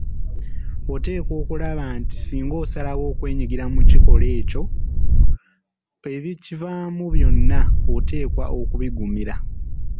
Oteekwa okulaba nti singa osalawo okwenyigira mu kikolwa ekyo ebikivaamu byonna oteekwa okubigumira.